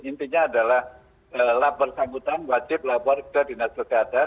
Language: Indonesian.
intinya adalah labor sangkutan wajib lapor ke dinas kesehatan